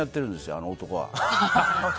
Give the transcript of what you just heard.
あの男は。